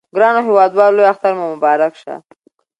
ګرانو هیوادوالو لوی اختر مو مبارک شه!